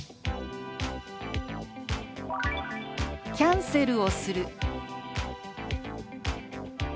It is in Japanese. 「キャンセルをする」。